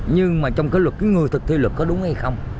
nhưng mà trong cái luật người thực thi luật có đúng hay không